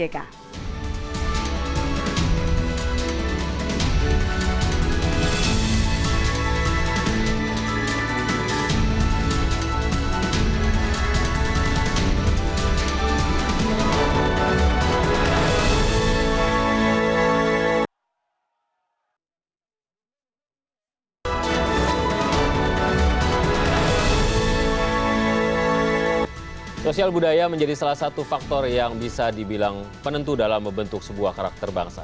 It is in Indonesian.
masalah sosial budaya menjadi salah satu faktor yang bisa dibilang penentu dalam membentuk sebuah karakter bangsa